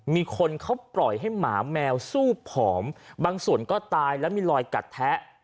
มีคนเขาปล่อยให้หมาแมวสู้ผอมบางส่วนก็ตายแล้วมีรอยกัดแท้